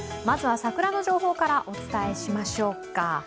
まずは桜の情報からお伝えしましょうか。